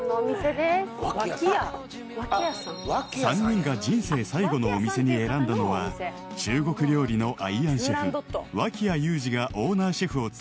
［３人が人生最後のお店に選んだのは中国料理のアイアンシェフ脇屋友詞がオーナーシェフを務める］